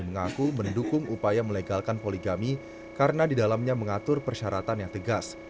mengaku mendukung upaya melegalkan poligami karena di dalamnya mengatur persyaratan yang tegas